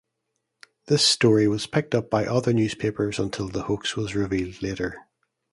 This story was picked up by other newspapers until the hoax was revealed later.